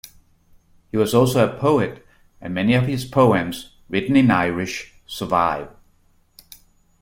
He was also a poet and many of his poems, written in Irish, survive.